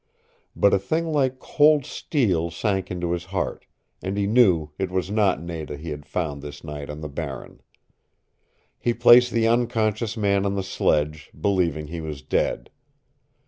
But a thing like cold steel sank into his heart, and he knew it was not Nada he had found this night on the Barren. He placed the unconscious man on the sledge, believing he was dead.